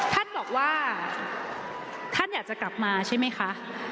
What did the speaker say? ท่านบอกว่าท่านอยากจะกลับมาใช่ไหมคะ